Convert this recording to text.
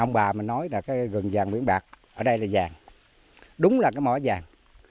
ông bà mình nói là cái rừng vàng biển bạc ở đây là vàng đúng là cái mỏ vàng